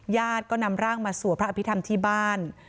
ญาติก็นำร่างมาสวดพระอภิษฐรรมที่บ้าน